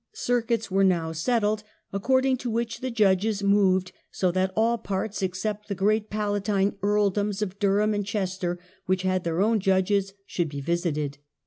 Circuits were now settled, accord ing to which the judges moved, so that all parts, except the great palatine earldoms of Durham and Chester, which had their own judges, should be visited.